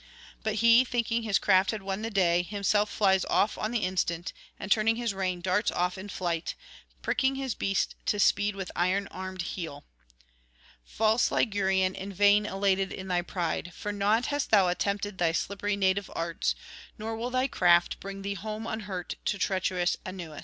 But he, thinking his craft had won the day, himself flies off on the instant, and turning his rein, darts off in flight, pricking his beast to speed with iron armed heel. 'False Ligurian, in vain elated in thy pride! for naught hast thou attempted thy slippery native arts, nor will thy craft bring thee home unhurt to treacherous Aunus.'